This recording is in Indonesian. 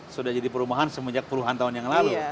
sudah jadi perumahan semenjak puluhan tahun yang lalu